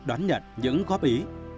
đoán nhận những góp ý